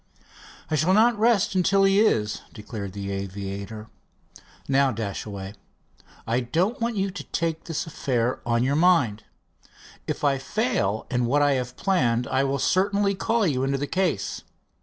"I shall not rest until he is," declared the aviator. "Now, Dashaway, I don't want you to take this affair on your mind. If I fail in what I have planned, I will certainly call you into the case.